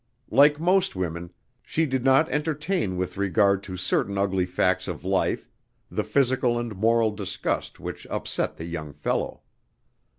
Like most women she did not entertain with regard to certain ugly facts of life the physical and moral disgust which upset the young fellow.